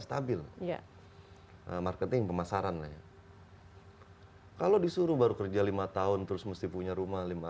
stabil ya marketing pemasaran kalau disuruh baru kerja lima tahun terus mesti punya rumah